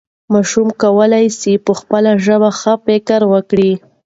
ماشوم کولی سي په خپله ژبه ښه فکر وکړي.